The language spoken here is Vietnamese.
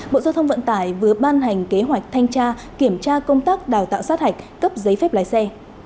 bộ giao thông vận tải vừa ban hành kế hoạch thanh tra kiểm tra công tác đào tạo sát hạch cấp giấy phép lái xe